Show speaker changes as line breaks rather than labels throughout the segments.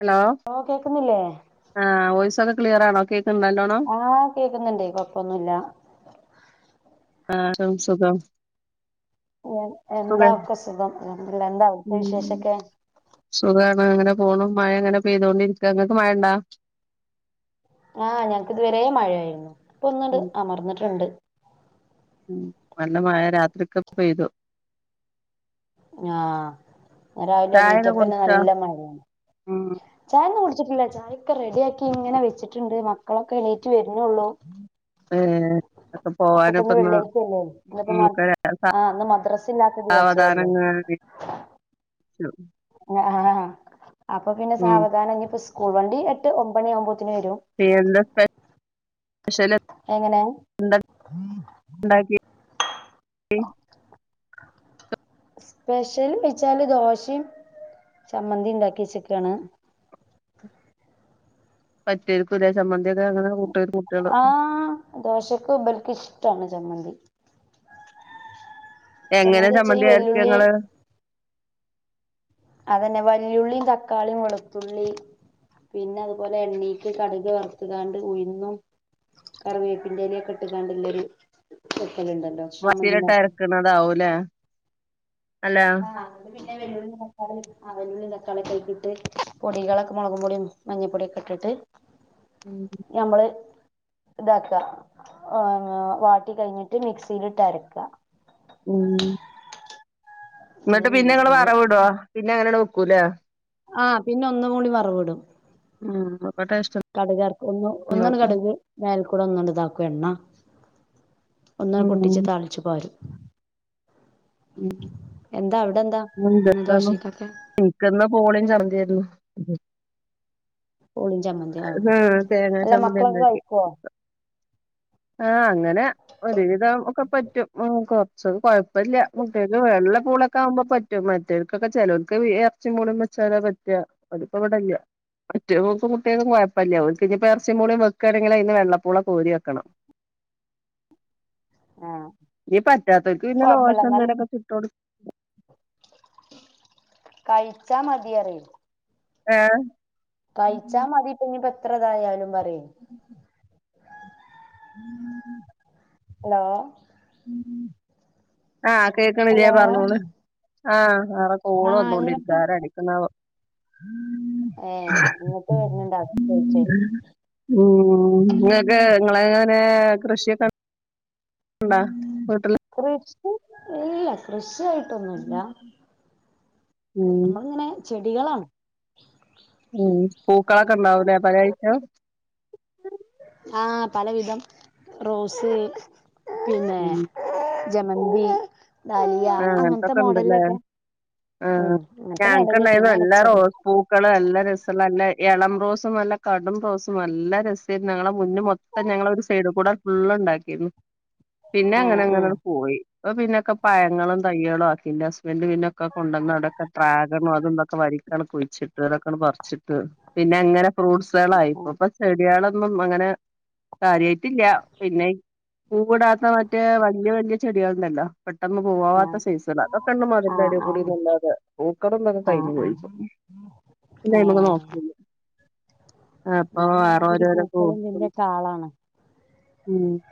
Hello
ഓ കേക്കുന്നില്ലേ
ആഹ വോയ്‌സൊക്കെ ക്ലിയർ ആണോ കേക്കുന്നോ
ആഹ് കേക്കുന്നുണ്ട് കൊഴപ്പൊന്നുമില്ല
ആ സുഖം സുഖ
എന്താക്കെ സുഖംല്ല എന്താക്ക
ഉം
വിശേഷൊക്കെ
സുഖാണ് അങ്ങനെ പോണം മഴ അങ്ങനെ പെയ്തോണ്ടിരിക്ക അങ്ങക്ക് മഴ ഇണ്ട
ആഹ് ഞങ്ങക്ക് ഇതുവരെ മഴയായിരുന്നു, ഇപ്പ ഒന്നണ്ട്
ഉം
അമർന്നിട്ടുണ്ട്.
ഉം നല്ല മഴ രാത്രിക്കെ പെയ്തു
ആഹ് രാവിലെ
ചായൊക്കെ
എണീറ്റപ്പോ തന്നെ
കുടിച്ചോ
നല്ല മഴയാണ്
ഉം
ചായ ഒന്നും കുടിച്ചിട്ടില്ല ചായ ക്കെ റെഡി ആക്കി ഇങ്ങനെ വെച്ചിട്ടുണ്ട് മക്കളൊക്കെ എണീറ്റ് വരുന്നുള്ളു
ഏഹ് ഒക്കെ
അപ്പപ്പ ഇന്ന്
പോവാനിപ്പന്ന്
വെള്ളിയാഴ്ചയല്ലേ ഇന്നപ്പോ
ഒക്കെ
ആഹ് ഒന്ന് മദ്രസ ഇല്ലാത്ത ദിവസം അല്ലേ
സാവധാനങ്ങനെ [unintelligible]
ആ ആ അപ്പൊ പിന്നെ
ഉം
സാവധാനം സ് സ്കൂൾ വണ്ടി എട്ട് ഒമ്പത് മണി
[unintelligible] പക്ഷേ
ഹലോ
ഉണ്ടാക്കി
സ്പെഷ്യൽ വെച്ചാല് ദോശയും ചമ്മന്തിയും ഉണ്ടാക്കി വെച്ചേക്കുവാണ്
പറ്റേര്ക്കുല്ലേ ചമ്മന്തി യൊക്കെ അങ്ങനെ കൂ
ആഹ് ദോശക്ക് ഇബൽകിഷ് ടാണ് ചമ്മന്തി
എങ്ങനെ
വെച്ചാ ഈ
ചമ്മന്തി അരക്ക
വെല്ലുള്ളി
ഇങ്ങള്
അതന്നെ വല്ലിള്ളിയും തക്കാളിയും വെളുത്തുള്ളി പിന്നെ അതുപോലെ എണ്ണീക്ക് കടുക് വറുത്തുകാണ്ട് ഉഴുന്നും കറിവേപ്പിൻറലൊക്കെ ഇട്ടുകാണ്ട്ല്ലൊരു
മിക്സിലിട്ട് അരക്ക്ണതാവും ല്ലെ
ആഹ് വെല്ലുള്ളി തക്കാളി ഒക്കെയിട്ടിട്ട് പൊടികളൊക്കെ മുളക് മഞ്ഞൾ പൊടിയോക്കെ ഇട്ടിട്ട്
ഉം
ഞമ്മള് ഇതാക്ക ഏഹ് ങ്ങേ വാട്ടി കഴിഞ്ഞിട്ട് മിക്സിയിലിട്ട് അരക്ക
ഉം ന്നിട്ട് പിന്നെ
അതന്നെയാണ്
നിങ്ങള്
സംഭവം
വറവവിടൊ പിന്നെങ്ങനെ കുല.
ആ പിന്നെ ഒന്ന് കൂടി വറവ്ടും.
ഉം ടേസ്റ്റ്
കടകാർക്ക് ഒന്ന ഒന്ന
ഉണ്ടാവും
കടക് മേൽക്കൂടെ ഒന്നുകണ്ട് ഇതാക്കും എണ്ണ ഒന്ന പൊട്ടിച്ച് താളിച്ചു പാരും.
ഉം [unintelligible]
എന്താ അവിടെ എന്താ ഇന്ന്
എനിക്കന്ന്
ദോശക്കൊക്കെ
[unintelligible] ശർധിം ആര്ന്നു
പോളി
ആഹ് തേങ്ങാ ചമ്മന്തിണ്ടാക്കി.
കഴിക്കുവോ
ആഹ് അങ്ങനെ ഒരുവിധം ഒക്കെ പറ്റും. പക്ഷ കുഴപ്പൊല്ല കുട്ടികക്ക് വെള്ളപ്പൂളൊക്കെ ആകുമ്പോ പറ്റും. മറ്റേർക്കൊക്കെ ചെലോർക്ക് ഇറച്ചി പുളയും വെച്ചാലോ പറ്റ്അ അവപ്പോ ഇവിടല്ല മറ്റക്ക് കുട്ടികക്കും കുഴപ്പല്ല. അവക്ക് ഇനിയിപ്പോ ഇറച്ചി മൂളിയും വെക്കുകയാണെങ്കി അയിന്റ വെള്ളപ്പൂള കോരി വെക്കണം.
ആ
ഈ പറ്റാതോർക്ക് പിന്നെ
കൊഴപ്പില്ല
ദോശം
എന്നാലും
എന്തൊലുക്കെ ചുട്ട് കൊടുക്കും.
കഴിച്ചാ മതിയറി
ആഹ്
കഴിച്ചാ മതി പിനി പ എത്രതായാലും പറയ [unintelligible]
ഉം
ഹലോ?
ഉം ആഹ് കേക്കണില്ലാ
ഹലോ
പറഞ്ഞോള്. ആഹ് വേറെ
ആ
കോള് വന്നോണ്ട് ഇരിക.
ഇങ്ങട്ട്
ആരാ അടിക്കുന്ന
ഏ ഇങ്ങിട്ട് വരുന്നുണ്ട അതാ ചോച്ചോ.
നിങ്ങളങ്ങനെ കൃഷിയൊക്കെ ഉണ്ട മ്
കൊറെ ഇല്ല കൃഷായിട്ട
ഉം
മ്മക്കിങ്ങനെ ചെടികളാണ്.
ഉം പൂക്കളൊക്കണ്ടാവു
ആ പല വിധം. റോസ് പിന്നേ
ഉം
ജമന്തി. [inaudible]
ആഹ്
അങ്ങനത്തെ
അങ്ങനത്തൊക്കെ ഉണ്ട് ലേ.
മോഡലിലൊക്കെ
ആഹ്
ഉം അങ്ങനത്തെ
ഞങ്ങക്ക്
മോഡല്
ഇണ്ടായീന്നു
പിന്നെ
നല്ല
ഇലച്ചെടി
റോസ് പൂക്കള് നല്ല രസള്ള ല്ല എളം റോസും നല്ല കടും റോസും നല്ല രസേര്ന്ന് ഞങ്ങടെ മുന്ന് മൊത്തം ഞങ്ങടെ ഒരു സൈഡ് കൂടെ ഫുള്ള് ഉണ്ടാക്കിര്ന്നു. പിന്നെ
ആഹ്
അങ്ങനെ അങ്ങനെ
ആഹ്
പോയി. അത് പിന്നെ ക്കം പഴങ്ങളും, തൈയ്യ്കളും, ആക്കിന്റെ ഹസ്ബൻന്ഡ്. പിന്നൊക്കെ കൊണ്ടുവന്ന്. അതൊക്കെ ഡ്രാഗൺ അതും ഇതുവോക്കെ. വലിക്കണ് കുഴിച്ചിട്ട്. പറിച്ചിട്ട് പിന്നെ അങ്ങനെ ഫ്രൂട്ട്സ്? [unintelligible] മ്മം അങ്ങനെ കാര്യായിട്ടില്ല്യാ. പിന്നെ പൂവിടാത്ത മറ്റേ വല്ല്യ വല്ല്യ ചെടികള് ഉണ്ടല്ലോ. പെട്ടെന്ന് പോവാത്ത
ആഹ്
സെയ്സേളാ. ഇതൊക്കെ ർഞാ മതിലിൻ്റെ
ആഹ്
അരുക്കൂടിം
ആഹ്
[unintelligible] പൂക്കളും തൊക്കെ
ആഹ്
കഴിഞ്ഞ് പോയി
ആഹ്
പ്പം. പിന്നയ്മക്ക്
ഏഹ്
നോക്ക [unintelligible] അപ്പൊ
ഞാൻ പറഞ്ഞമാതിരി പൂക്കളും ഇതിന്റെയൊക്കെ ആളാണ്
[unintelligible]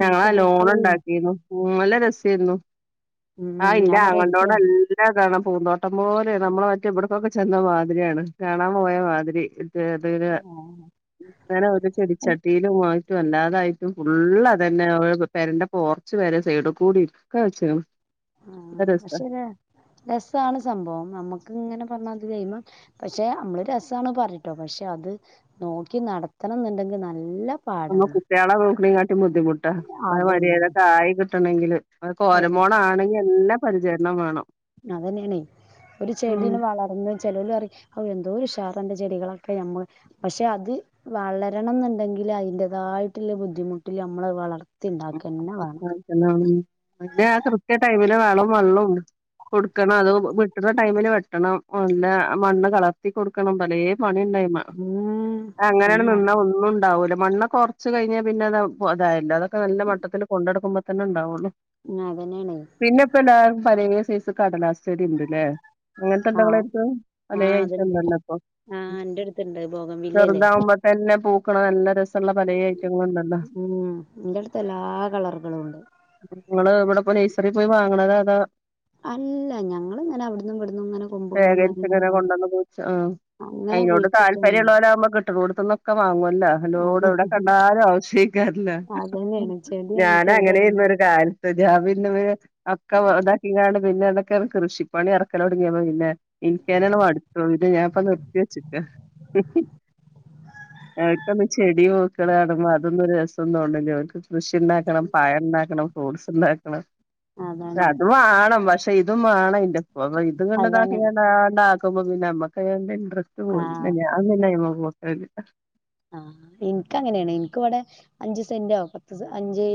ഞങ്ങള
എനിക്ക്
ലോണ്
പൂക്കള്
ണ്ടാക്കിനു പൂ നല്ല രസ തിന്നു ആഹ്
ഉം
ഇന്റെ
ഞാൻ പറയാ എനിക്ക്
അങ്ങളന്റോടെ എല്ലാ ഇതാണ് പൂന്തോട്ടം പോലെ നമ്മളെ മറ്റേ ഇവിടക്കൊക്കെ ചെന്ന മാതിരിയാണ് കാണാൻ പോയ മാതിരി ഏത് ന് ഇങ്ങനെ ഒരു ചെടിച്ചട്ടിയിലും വ റ്റും അല്ലാതായിട്ടും ഫുള്ളതന്നെ ഓലെ പേരന്റെ പോർച്ച് വരെ സൈഡ് കൂടിം ക്ക വച്ചിക്ക്‌ണ്
ആ പക്ഷെലേ രസാണ് സംഭവം നമ്മുക്ക്ങ്ങനെ ഇജ്ജ് പറഞ്ഞാതിരി അയ്മേ പക്ഷെ നമ്മള് രസാണ് പറിട്ടോ പക്ഷെ അത് നോക്കി നടത്തണന്ന്ണ്ടെങ്കി നല്ല
നമ്മ
പാടാണ്
കുട്ട്യാളെ നോക്ക്ണേകാട്ടി ബുദ്ധിമുട്ടാ ഓന്
അതന്നെ
മര്യാദക്ക് ആയി കിട്ട് ട്ടണെങ്കിൽ ആ കോരമോളാണെകില്ലാം പരിചരണം വേണം
അതന്നെയാണേ ഒരു ചെടിണ്ട്
ഉം
വളർന്ന് ചെലോലറിം ഔ എന്ത് എന്തൊര് ഉഷാറാന്റെ ചെടികളൊക്കെ നമ്മൾ പക്ഷെ അത് വളരണന്ന്ണ്ടെങ്കിൽ അതിൻ്റേതായിട്ട്ള്ള ബുദ്ധിമുട്ടിൽ നമ്മളത് വളർ
[unintelligible] പിന്നെ ആ കൃത്യ ടൈംമില് വളും വള്ളും കൊടുക്കണ അതോ - ഇട്ട ടൈമില് വെട്ടണം നല്ല മണ്ണ് കളർത്തി കൊടുക്കണം പലേ പണിണ്ടായ്മ
ഉം
അങ്ങനെണ്
അന്നെ
നിന്നാ ഒന്നും ഉണ്ടാവു മണ്ണ് ഒക്കെ ഒറച്ച് കഴിഞ്ഞാ പിന്നെ അത തല്ലായല്ലോ നല്ല മട്ടത്തില് കൊണ്ടെടുക്ക്പോ ന്നെ ഉണ്ടാവുള്ളു
ഉം അതന്നേണെയ്
പിന്നെ ഇപ്പ എല്ലാർക്കും പലേ സെയ്സ് കടലാസ് ചെടി ഇണ്ട് ലേ അങ്ങനത്തെ ഇണ്ടോ
ആഹ്
ഇങ്ങളേര്ത്ത്? പലേ
ആഹ് അതുണ്ട്
ഐറ്റണ്ടല്ലോ ഇപ്പൊ
ആഹ് എന്റെ അടുത്തുണ്ട് ബോഗൻ വില്ലല്ലേ
ചെറുതാവുമ്പോത്തന്നെ പൂ ക്ക്ണ് നല്ല രസ് ള്ള പലേ ഐറ്റങ്ങള്ണ്ടല്ലോ.
ഇന്റെട്ത്ത് എല്ലാ കളറ്കളും ഉണ്ട്.
ഇങ്ങള് ഇവിടെപ്പോ നയ്സറീ പോയി വാങ്ങ്ണതാ അതാ
അല്ല ഞങ്ങള്ങ്ങനെ അവ്ട്ന്നും ഇവ്ട്ന്നും ഇങ്ങനെ കൊമ്പുകളും
ശേഖരിച്ച്
കാര്യങ്ങളും
ഇങ്ങനെ
പോയി
കൊണ്ടന്ന് കുഴിച്ച് ആ
അങ്ങനെ കുഴിച്ചിട്ട് ണ്ടാ
കിട്ട്ണോട്ത്ത്ന്നൊക്കെ വാങ്ങൊ ല്ല ഹല്ലോടെ എവടെ കണ്ടാലും ആവശ്യയ്ക്കാരല്ലാ.
അതന്നെയാണ് ചെടി ഞങ്ങൾക്ക് എവിടെ കണ്ട
ഞാനങ്ങനേര്ന്നൊരു കാൽ [unintelligible] ഒക്കെ വ ഇതാക്കിങ്ങാണ്ട് പിന്നെ [unintelligible] ക്കണ് കൃഷിപ്പണി എറക്കലൊട്ങ്ങ്യപ്പൊ പിന്നെ, ഇൻക്കന്നേണ് മടുത്തു പിന്നെ ഞാൻ ഇപ്പ നിർത്തി വെച്ച്ക്ക അവര്ക്കൊന്നും ചെടി നോക്ക് ളാണ് മ്മൊ അതൊന്നും ഒര് രസും തോണ് ണ് ല്ല്യ ഓൽക്ക് കൃഷിണ്ടാക്കണം പയം ഇണ്ടാക്കണം ഫ്രൂട്സ് ഇണ്ടാക്കണം
അതാണ്
അത് വാണം വഷ് പെയ്തും വാണയ്ന്റെ അ
അതാണ്
ഇത്ുകൊണ്ടതക്കെയ മമി നമ്മക ക ആണ്ട് അെ
ആഹ്
അല്ലമ എട്ട
ആ എനിക്ക അങ്ങനെയാണ് എനിക്ക ഇവിടെ അഞ്ച് സെന്റ ആവുംും പത്ത് അഞ്ച്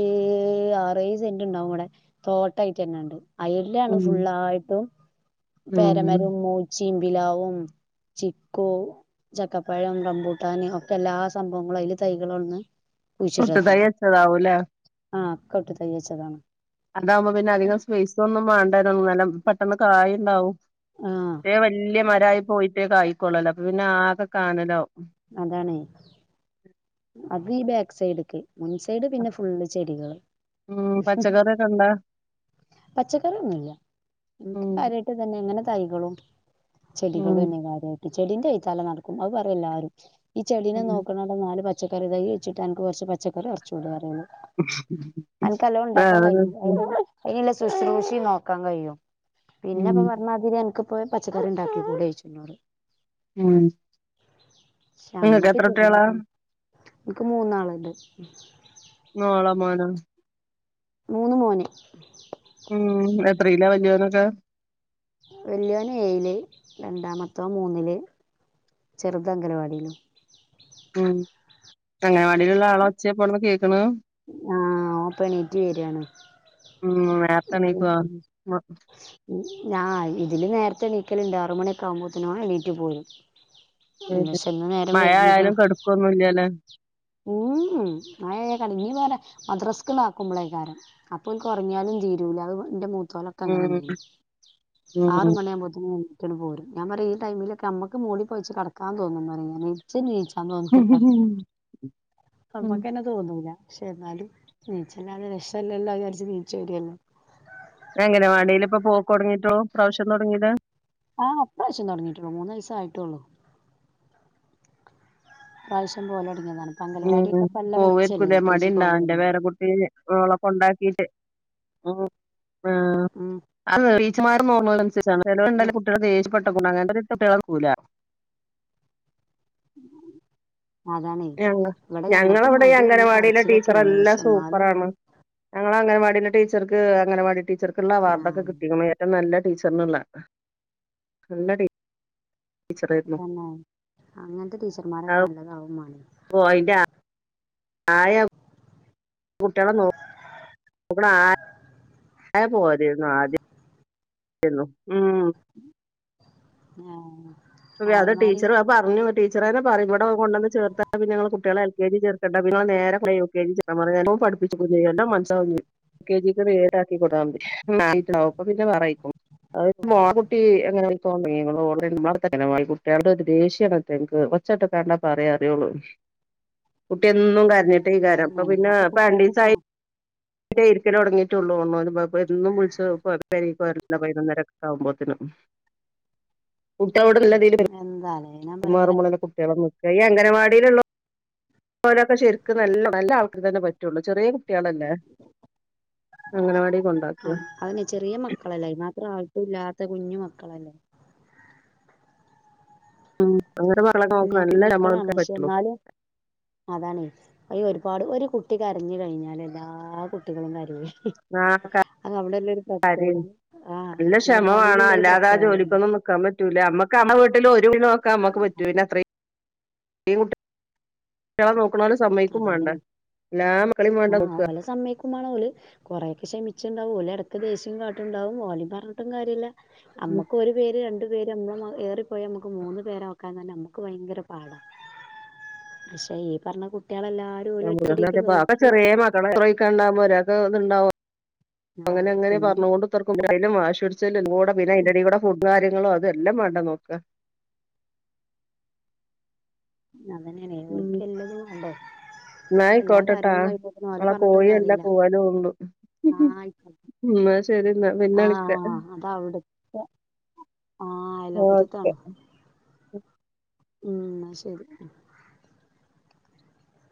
ആറേ സെന്റ് ഉണ്ടാവും ഇവിടെ തോട്ടായിട്ട് തന്നെണ്ട് അയല്ാണ്
ഉം
ഫുള്ളായിട്ടും
ഉം
പേരമര മൂച്ച ചിമ്പിലാവും ചിക്കോ ചക്കപ്പഴം റബൂട്ടാന ഒക്കെ എല്ലാ സംഭവങ്ങളും അതില് തൈകളോ ഒന്ന്
പുട്ടുതൈ വെച്ചതാവുലെ
ആ കോട്ട് തയ്യിച്ചതാണ്
അതാവുമ്പം പിന്നെ അധികം സ്പേസ് ഒന്നും മാ അന്നരം പെട്ടെന്ന് കായി ഇണ്ടാവും
ആഹ്
ലേ വല്യ മരായി പോയിട്ടേ കായി ള്ളലോ പിന്നാകെ കാനലാവും
അതാണേ അതീബെ സൈടുക്ക് മുൻ സൈഡ് പിന്നെ ഫുള്ള് ചെടികള്
ഉം പച്ചക്കറിയൊക്കെ ഇണ്ടാ
പച്ചക്കറിയൊന്നൂല്ല നിക്ക്
ഉം
കാര്യായിട്ട് തന്നെ ഇങ്ങനെ തൈകളും
ഉം
ചെളികളുംന്നെ കാര്യായിട്ട് ചെടീന്റെ ചലനടക്കും അത് പറേംല്ലാരും [inaudible] ഈ ചെടീനെ
ഉം
നോക്കണ ട നാല് പച്ചക്കറി തയ് കുഴിച്ചിട്ടാ അനക്ക് കൊറച്ച് പച്ചക്കറി പറച്ചുടെ റി ഓള്
വ
ശുശ്രൂഷിം നോക്കാൻ കഴിയും
ഉം
പിന്നെപ്പൊ പറഞ്ഞാതിരിം അനക് പോയി പച്ചക്കറി ഉണ്ടാക്കിക്കൂടെ ചോയ്ച്ചും ന്നോട്
ആഹ നിങ്ങക്ക് എത്ര കുട്യാള
ഇൻക് മൂന്നാളണ്ട്
മോളോ മോനോ
മൂന്ന് മോൻ
ഉം എത്രയ്‌ലാവലിയോരൊക്കെ
വെല്യോൻ ഏയില് രണ്ടാമതോൻ മൂന്നില് ചെറുതംഗലവാടിയിലും
ഉം അങ്ങനവാടിയിലുള്ള ആളെ ഒച്ചേ പോട്ന്ന് കേ
ആഹ ഓ പണീറ്റ് വരാണ്
ഉം നേരത്തെ എണീക്കുവോ മ-
ഞാ ആ ഇതില് നേരത്തെണീ ഓണീ ക ലിണ്ട് അറ മണിയൊക്കെകുമ്പോത്തേന ഓ നീറ്റ് പോരും
ഉ
പക്ഷെ ഇന്ന് നേരം
മഴയാലും കെടുക്കൊന്നുംല്ലല്ലോ
ഊം ഉം മഴായ കളിഞ്ഞ വേറെ മദ്രസക്ക് ങ്ങട്ട്. ആാക്കുമ്പളേക്കാരം അപ്പ ഓൽക്ക് ഉറങ്ങ്യാലും തീരൂല അത് എന്റെ മൂത്ത തോലൊക്കെങ്ങനെ
ഉം
ന്നേ നീം ആറ്
ഉം
മണി ആകുമ്പോതിനെ ന്നേ നീച്ചങ്ങട് പോരും ഞാൻ പറയും ഈ ടൈമിലൊക്കെ നമ്മക്ക് മൂടി പോയിച്ച് കടക്കാ തോന്നും പറിമ് ഞൻഇച്ച് നീച്ചാ
ഹ്ഹ്ഹ്
പ്പ മക്കെന്നെ തോന്നൂല പക്ഷെ എന്നാലും നീച്ചല്ലാതെ രക്ഷല്ലല്ലോ അഹ് വിചാരിച്ച് നീചോരാണ്
അംഗനവാടില്പ്പോ പോക്കൊട്ങ്ങിയിട്ടോള്ളു ഇപ്രാവശ്യം തൊടങ്ങിയത്
ആഹാ ഇപ്രാശ്യം തൊടങ്ങിട്ടൊള്ളു മൂന്നയ്സ്സ് ആയിട്ടൊള്ളു ഈ പ്രായിശ്യം പോലോട്ങ്ങിയേതാണ്
ഉം പോവായിരിക്കുലേ മടിണ്ടാ
പോലെ
ഇന്റെ
വന്നില്ലേ
പേര കുട്ടി? ഓളെ കൊണ്ടാക്കിയിട്ട് ഉം ആഹ്
ഉം
അത് [unintelligible] മാർ മോർണോലൻസർച്ച്? [unintelligible] [unintelligible] കുട്ട്യാളെട്ക്കൂലാ
[inaudible] അതാണേ
ഞങ്ങ
ഇവിടെ ഞങ്ങൾക്കും
ഞങ്ങളവിടെ ഈ
മടിയാണ്
അംഗനവാടിയിലെ
കരച്ചിലൊക്കെയാണ് പക്ഷെ എന്നാലും ഞാൻ
ഇങ്ങളെ അങ്കൻവാടിന്റെ ടീച്ചർക്ക് അങ്കനവാടീ ടീച്ചർക്ള്ള
ആഹ്
അവാർഡൊക്കെ കിട്ടിക്ക്ണ് ഏറ്റവും നല്ല ടീച്ചര്‍ന്ള്ളെ നല്ല ടീച്ചറാ
തന്നെ അങ്ങൻത്തെ ടീച്ചർമാരൊക്ക നല്ലതാവും മാണേ
പോയ്താ ആയാ കുട്ടിയളെ നോ [inaudible] അങ്ങനെ പോയെതേരുന്നു ആദ്യം ലേന്നു ആഹ്
ആഹ്
അതാ ടീച്ചർ അത് പറഞ്ഞു ടീച്ചറന്നെ പറിം ഇവടെ കൊണ്ടന്ന് ചേർത്ത പിന്നെ ഇങ്ങളെ കുട്ടിയളെ എൽ കെ ജി ചേർക്കണ്ട പിന്നെനേരെ പോയി യു കെ ജി ചേർന്നാതി കാരണം നല്ലോം പട്പ്പിച്ചും നല്ലോം മനസ്സിലാവും ചെയ്യും. യു കെ ജിക്ക് വേടാക്കി കൊടുത്താ മതി അപ്പ പിന്നെ പറയിക്കും കുട്ടി എങ്ങനെഓ കുട്ടിയളോടൊരു ദേഷ്യണയ്റ്റക്ക് ഒച്ചട്ട്ക്കാണ്ടാ പറയാ അറിയൊള്ളൂ കുട്ടിയെന്നും കരച്ചി പറഞ്ഞിട്ടേക്കാരം ഇപ്പ
അതന്നെയാണ്
പിന്നെ
അപ്പൊ കുട്ടികൾക്ക് പോ
ഇപ്പരണ്ടീസായി ഇപ്പെര്ക്കലൊട്ങ്ങിട്ടൊള്ളൂന്ന്ണ് എന്നും ബ്ളിച്ച് പെരേക്കൊരലാ പയിനൊന്നരക്കാവുമ്പോത്തിനും കുട്ടിയളോട് നല്ലതീല്
എന്താലേ ഞാൻ പറയാ ഇങ്ങനെ
പെരുമാറുമ്പളെന്നെ കുട്ടിയളൊന്ന് ഈയ് അംഗനവാടില്ള്ളോ ഓലൊക്കെ ശെരിക്ക് നല്ല നല്ല ആൾക്കരന്നെ പറ്റൊള്ളൂ ചെറിയ കുട്ടിയളല്ലേ അങ്കനവാടി കൊണ്ടാക്കാ?
അത്ര ആയിട്ടുല്ലാത്ത കുഞ്ഞു മക്കളല്ലേ?
അങ്ങനെ മക്കളെ നോക്ക നല്ല
കുഞാപ്പിമക്കളാണ്
നമ്മളക്കെ
പക്ഷെ
പറ്റുള്ളൂ
എന്നാലും അതാണേ അയ് ഒരുപാട് ഒരു കുട്ടി കരഞ്ഞു കഴിഞ്ഞാല് എല്ലാ കുട്ടികളും കരയുയ് അതവിടെന്നൊരു
കരി നല്ല ക്ഷമവേണം അല്ലാതെ ആ
പ്രത്യേകതയാണ്
ജോലിക്കൊന്നും നിക്കാൻ പ റ്റൂല നമ്മക്ക് നമ്മളെ വീട്ടില് നോക്കാൻ നമുക്ക് പറ്റുല പിന്നെ അത്രയും [unintelligible] സമ്മയിക്കും
അതാണെ
വേണ്ടേ എല്ലാ മക്കളെയും വേണ്ടേ
ആഹ്
നോക്കുക
ഓലെ സമ്മയ്ക്കേം വേണം ഓല് കൊറെയൊക്കെ ക്ഷമി ച്ച് ഉണ്ടാവും ഓല് ഇടക്ക് ദേഷ്യം കാട്ടുണ്ടാവും ഓലെ പറഞ്ഞിട്ടും കാര്യല്ല നമ്മുക്ക് ഒരു പേര് രണ്ട് പേര് നമ്മൾ ഏറി പോയ നമ്മുക്ക് മൂന്ന് പേരെ നോക്കാൻ തന്നെ നമുക്ക് ഭയങ്കര പാടാണ് പക്ഷെ ഈ പറഞ്ഞ കു
[unintelligible] ചെറിയ മകളെ [unintelligible] ഒരാക്ക് ണ്ടാവോ
ആഹ്
അങ്ങനെങ്ങനെ
പിന്നെ
പറഞ്ഞൊണ്ട് വാശി പിടിച്ച് കൂടെ പിന്നെ അതിന്റ ഇടെ കൂടെ ഫുഡ്‌ വാരി നിങ്ങളോ അതെല്ലാം വേണ്ട നോക്കൻ
അതന്നെയാണ് ഓൾക്ക് എല്ലാരും വേണ്ടേ
എന്നാ
എല്ലാ
ആയിക്കോട്ടെട്ടാ
കാര്യങ്ങളും കഴിഞ്ഞിട്ടും ഓലെ
ഇങ്ങളെ
പറഞ്ഞിട്ടും
കോഴി എല്ലാം
കാര്യമില്ല
കൂവലും ഉണ്ട്
ആയി
ഉം എന്നാ ശരി എന്നാ പിന്നെ വിളിക്കാം.
ആഹ് അതവിടുത്തെ ആഹ്
ആ
അയലോക്കത്തെത്താണ് ഉം എന്നാ ശരി